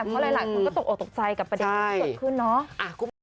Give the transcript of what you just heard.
เพราะหลายคนก็ตกออกตกใจกับประเด็นที่เกิดขึ้นเนาะ